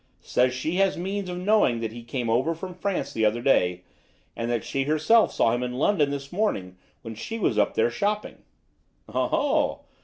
Says she has means of knowing that he came over from France the other day; and that she herself saw him in London this morning when she was up there shopping." "Oho!"